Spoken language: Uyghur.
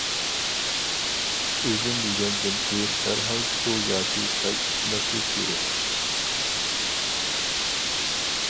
ئۈزۈم يېگەندىن كىيىن دەرھال سۇ ياكى چاي ئىچمەسلىك كېرەك.